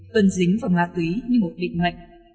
tuân dính vào hoa túy như một định mệnh